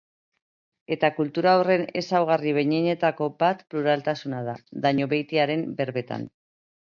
Eta kultura horren ezaugarri behinenetako bat pluraltasuna da, Dañobeitiaren berbetan.